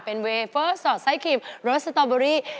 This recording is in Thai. เป็นเวเฟอร์สอดไส้ครีมรสสตอเบอรี่